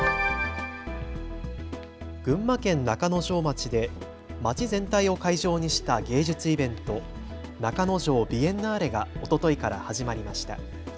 群馬県中之条町で町全体を会場にした芸術イベント、中之条ビエンナーレがおとといから始まりました。